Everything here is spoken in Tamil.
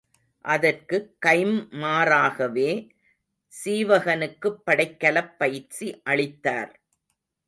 அதற்குக் கைம்மாறாகவே சீவகனுக்குப் படைக்கலப் பயிற்சி அளித்தார்.